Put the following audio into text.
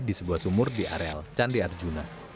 di sebuah sumur di areal candi arjuna